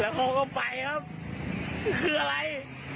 เขาก็ไปครับคืออะไร